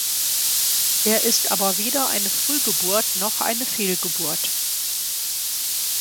Er ist aber weder eine Frühgeburt noch eine Fehlgeburt.